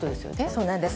そうなんです。